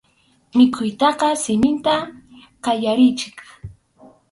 Mikhuytaqa siminta qallarinchik.